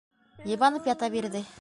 Йыбанып ята бирҙе.